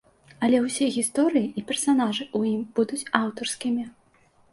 Але ўсе гісторыі і персанажы ў ім будуць аўтарскімі.